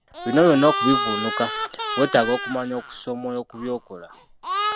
Bino byonna okubivvunuka, weetaaga okumanya okussa omwoyo ku by'okola.